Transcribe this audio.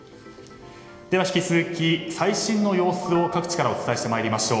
では、引き続き最新の様子を各地からお伝えします。